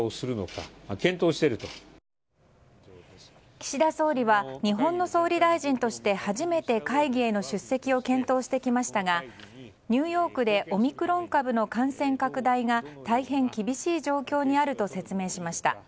岸田総理は日本の総理大臣として初めて会議への出席を検討してきましたがニューヨークでオミクロン株の感染拡大が大変厳しい状況にあると説明しました。